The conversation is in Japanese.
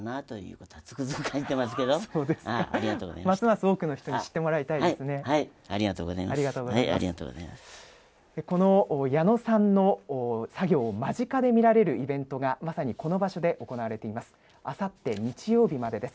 この矢野さんの作業を間近で見られるイベントがまさにこの場所で行われています。